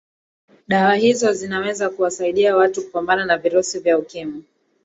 dawa hizo zinaweza kuwasaidia watu kupambana na virusi vya ukimwi